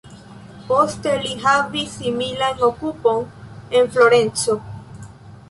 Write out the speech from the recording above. Poste li havis similan okupon en Florenco.